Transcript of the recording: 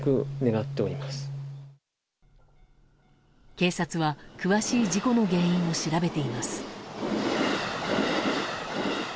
警察は詳しい事故の原因を調べています。